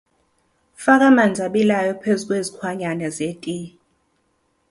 Faka amanzi abilayo phezu kwezikhwanyana zetiye.